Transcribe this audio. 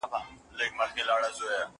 چي شهپر مي تر اسمان لاندي را خپور سي